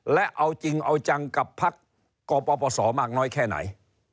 และเอาจริงเอาจังกับพักกปศมากน้อยแค่ไหน